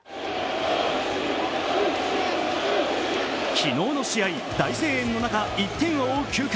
昨日の試合、大声援の中、１点を追う９回。